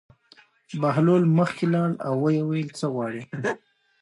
بهلول مخکې لاړ او ویې ویل: څه غواړې.